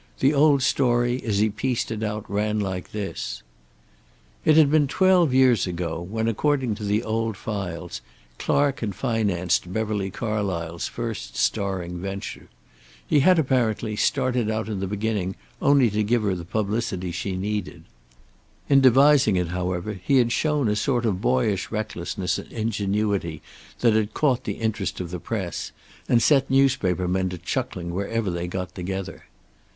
The old story, as he pieced it out, ran like this: It had been twelve years ago, when, according to the old files, Clark had financed Beverly Carlysle's first starring venture. He had, apparently, started out in the beginning only to give her the publicity she needed. In devising it, however, he had shown a sort of boyish recklessness and ingenuity that had caught the interest of the press, and set newspaper men to chuckling wherever they got together.